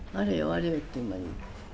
あれよという間に。